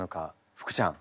福ちゃん。